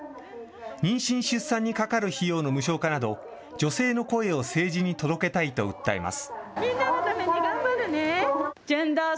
妊娠出産にかかる費用の無償化など、女性の声を政治に届けたいと訴えます。